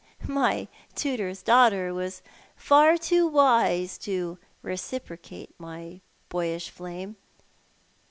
" "My tutor's daughter was far too wise to reciprocate my boyish flame.